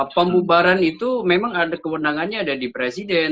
pembubaran itu memang ada kewenangannya ada di presiden